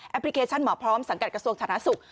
แอปพลิเคชันหมอพร้อมสังกัดกระทรวงศาลนาศุกร์